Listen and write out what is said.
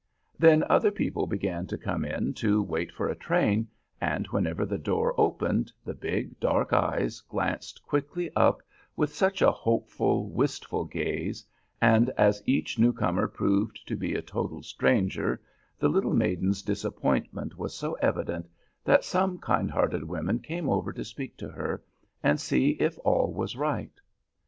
Then other people began to come in to wait for a train, and whenever the door opened, the big, dark eyes glanced quickly up with such a hopeful, wistful gaze, and as each new comer proved to be a total stranger the little maiden's disappointment was so evident that some kind hearted women came over to speak to her and see if all was right.